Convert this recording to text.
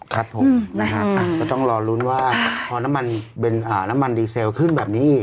ครับผมต้องรอรุ้นว่าพอน้ำมันดีเซลขึ้นแบบนี้